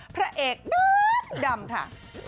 พระเอกด้วยดำค่ะ